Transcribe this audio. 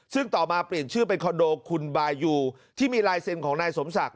ซึ่งต่อมาเปลี่ยนชื่อเป็นคอนโดคุณบายูที่มีลายเซ็นต์ของนายสมศักดิ